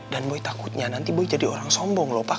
dan boy takutnya nanti boy jadi orang sombong lho pak